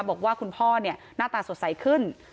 บอกว่าคุณพ่อหน้าตาสดใสขึ้น